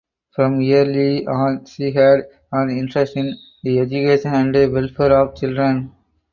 From early on she had an interest in the education and welfare of children.